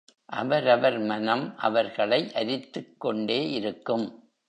அவரவர் மனம் அவர்களை அரித்துக்கொண்டே இருக்கும்.